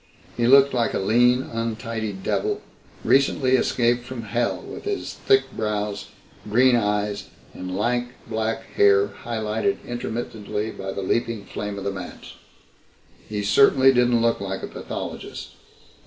He looked like a lean untidy devil recently escaped from hell with his thick brows, green eyes and lank black hair highlighted intermittently by the leaping flame of the match. He certainly didn't look like a pathologist.